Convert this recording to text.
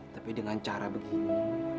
tapi dengan cara begini